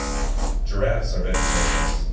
Giraffes are vegetarians.